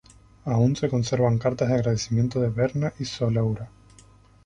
Aún se conservan cartas de agradecimiento de Berna y Soleura.